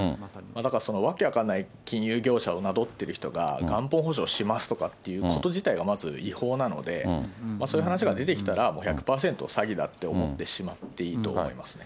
だからそのわけ分かんない金融業者を名乗ってる人が、元本保証しますとかって言うこと自体がまず違法なので、そういう話が出てきたら、１００％詐欺だって思ってしまっていいと思いますね。